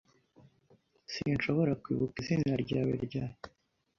Sinshobora kwibuka izinawe rya .